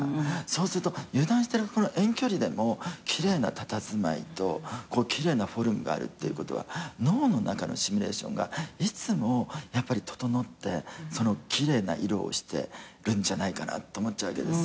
そうすると油断してるこの遠距離でも奇麗なたたずまいと奇麗なフォルムがあるっていうことは脳の中のシミュレーションがいつもやっぱり整って奇麗な色をしてるんじゃないかなと思っちゃうわけですよ。